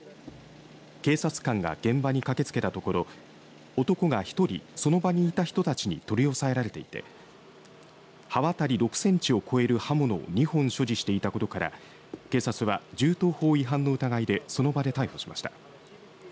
警察官が現場に駆けつけたところ男が１人、その場にいた人たちに取り押さえられていて刃渡り６センチを超える刃物を２本所持していたことから警察は銃刀砲違反の疑いでその場で逮捕しました。